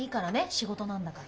仕事なんだから。